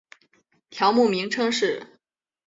条目名称是